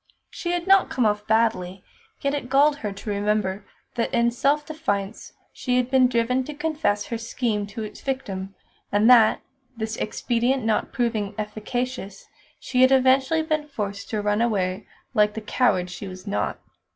She had not come off badly, yet it galled her to remember that in self defence she had been driven to confess her scheme to its victim, and that this expedient not proving efficacious she had eventually been forced to run away like the coward she was not.